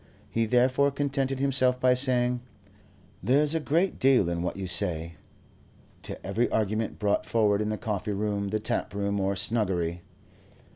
He therefore contented himself by saying, "There's a great deal in what you say," to every argument brought forward in the coffee room, the tap room, or snuggery.